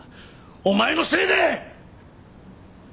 お前のせいで！